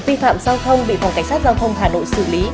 vi phạm giao thông bị phòng cảnh sát giao thông hà nội xử lý